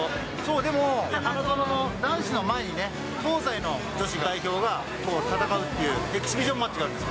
でも、花園の男子の前に、東西の女子代表がこう戦うっていう、エキシビションマッチがあるんですよ。